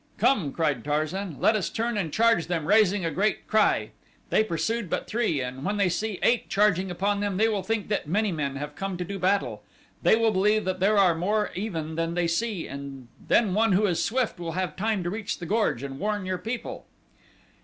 "Come!" cried Tarzan, "let us turn and charge them, raising a great cry. They pursued but three and when they see eight charging upon them they will think that many men have come to do battle. They will believe that there are more even than they see and then one who is swift will have time to reach the gorge and warn your people."